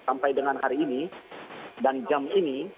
sampai dengan hari ini dan jam ini